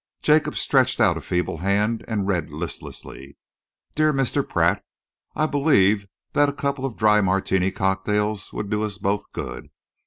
Jacob stretched out a feeble hand and read listlessly. Dear Mr. Pratt, I believe that a couple of dry Martini cocktails would do us both good.